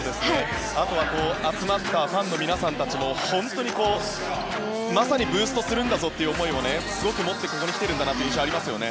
あとは、集まったファンの皆さんたちも本当にまさにブーストするんだぞという思いをすごく持ってここに来ている印象がありますね。